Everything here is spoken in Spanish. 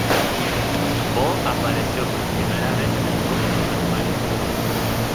Boo apareció por primera vez en el juego "Super Mario Bros.